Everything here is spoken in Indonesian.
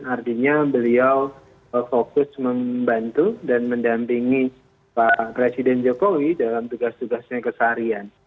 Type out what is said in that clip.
artinya beliau fokus membantu dan mendampingi pak presiden jokowi dalam tugas tugasnya keseharian